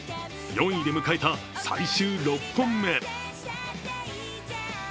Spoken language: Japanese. ４位で迎えた最終６本目。